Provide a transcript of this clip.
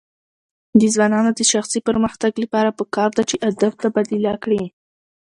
د ځوانانو د شخصي پرمختګ لپاره پکار ده چې ادب تبادله کړي.